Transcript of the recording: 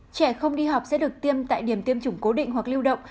trẻ không đi học sẽ được tiêm tại điểm tiêm chủng cố định hoặc lưu động